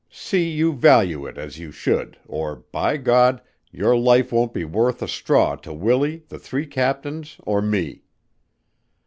See you value it as you should or, by God, your life won't be worth a straw to Willie, the three captains, or me."